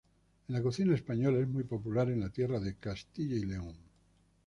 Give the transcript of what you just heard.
En la cocina española es muy popular en la tierra de Castilla y León.